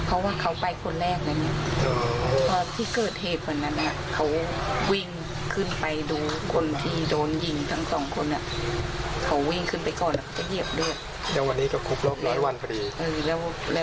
เราก็กลัวจะไปทางนี้ไอ้ใหม่คำโบราณเขาก็บอก